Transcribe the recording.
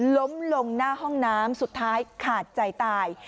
ล้มลงหน้าห้องน้ำสุดท้ายขาดใจตาย